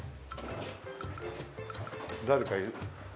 誰かいる？